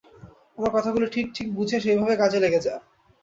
আমার কথাগুলি ঠিক ঠিক বুঝে সেইভাবে কাজে লেগে যা।